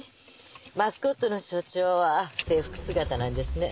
マスコットの署長は制服姿なんですね。